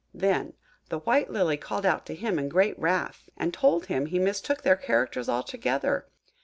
Then the white Lily called out to him in great wrath, and told him he mistook their characters altogether.